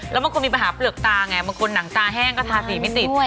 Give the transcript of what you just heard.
แล้วบางคนมีปัญหาเปลือกตาไงบางคนหนังตาแห้งก็ทาสีไม่ติด